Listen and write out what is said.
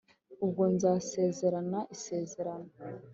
Ubwo nzasezerana isezerano